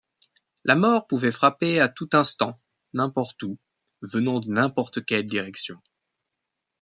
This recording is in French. La mort pouvait frapper à tout instant, n'importe où, venant de n'importe quelle direction.